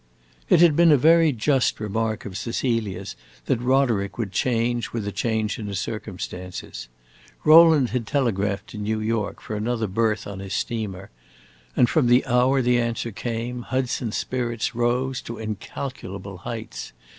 It had been a very just remark of Cecilia's that Roderick would change with a change in his circumstances. Rowland had telegraphed to New York for another berth on his steamer, and from the hour the answer came Hudson's spirits rose to incalculable heights.